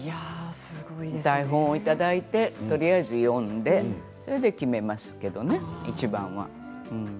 台本をいただいてとりあえず読んで決めますけれどもね、いちばんは。